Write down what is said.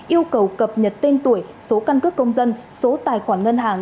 yêu cầu cập nhật tên tuổi số căn cước công dân số tài khoản ngân hàng